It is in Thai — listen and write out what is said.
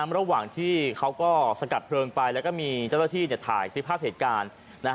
ระหว่างที่เขาก็สกัดเพลิงไปแล้วก็มีเจ้าหน้าที่ถ่ายคลิปภาพเหตุการณ์